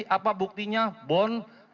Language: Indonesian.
apa buktinya bon